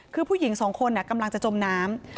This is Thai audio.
คือผู้หญิงสองคนกำลังจะจมน้ำ